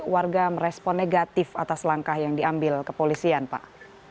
warga merespon negatif atas langkah yang diambil kepolisian pak